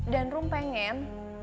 dan rum pengen